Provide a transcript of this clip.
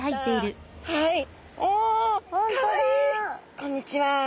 こんにちは。